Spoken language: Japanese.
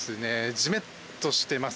じめっとしています。